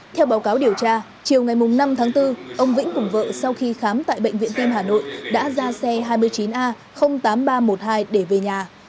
theo báo cáo điều tra chiều ngày năm tháng bốn ông vĩnh cùng vợ sau khi khám tại bệnh viện tim hà nội đã ra xe hai mươi chín a tám nghìn ba trăm một mươi hai để về nhà